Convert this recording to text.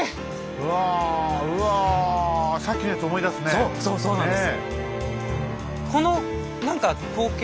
そうそうそうなんです。